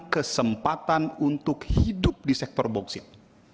kesempatan untuk hidup di sektor boksit